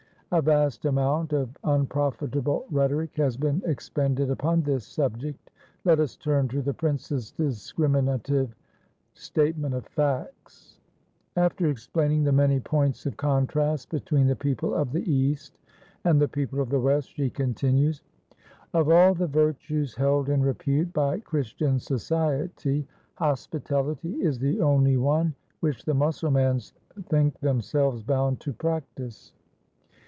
A vast amount of unprofitable rhetoric has been expended upon this subject. Let us turn to the princess's discriminative statement of facts. After explaining the many points of contrast between the people of the East and the people of the West, she continues: "Of all the virtues held in repute by Christian society, hospitality is the only one which the Mussulmans think themselves bound to practise.